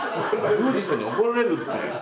宮司さんに怒られるって。